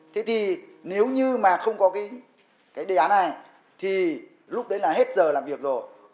thế thì nếu như mà không có cái đề án này thì lúc đấy là hết giờ làm việc rồi